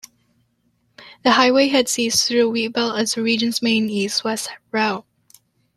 The highway heads east through the Wheatbelt as the region's main east-west route.